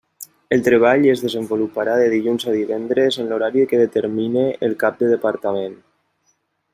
El treball es desenvoluparà de dilluns a divendres en l'horari que determine el cap de departament.